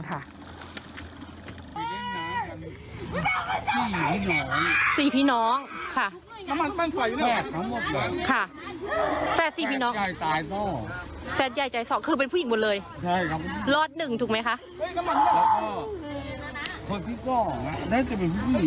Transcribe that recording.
แล้วก็คนพี่กล้องน่าจะเป็นมีหญิงว่าพูด